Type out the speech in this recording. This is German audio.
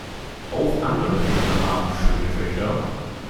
Auch andere Väter haben schöne Töchter.